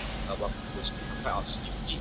终点在红旗岗与相交。